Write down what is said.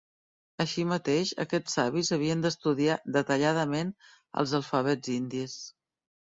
Així mateix, aquests savis havien d'estudiar detalladament els alfabets indis.